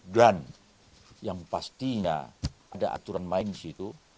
dan yang pastinya ada aturan main disitu